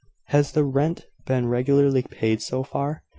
"Has the rent been regularly paid, so far?"